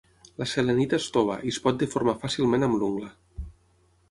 La selenita és tova i es pot deformar fàcilment amb l'ungla.